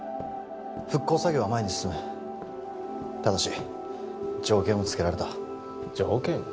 復興作業は前に進むただし条件をつけられた条件？